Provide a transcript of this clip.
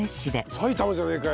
埼玉じゃねえかよ！